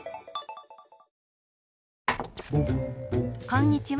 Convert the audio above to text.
こんにちは。